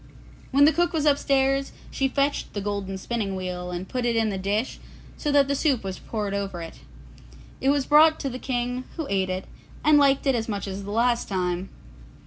When the cook was upstairs, she fetched the golden spinning wheel and put it in the dish so that the soup was poured over it. It was brought to the King, who ate it, and liked it as much as the last time.